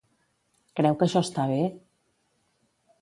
Creu que això està bé?